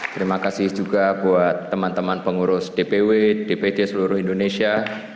terima kasih juga buat teman teman pengurus dpw dpd seluruh indonesia